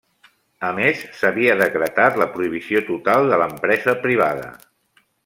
A més, s'havia decretat la prohibició total de l'empresa privada.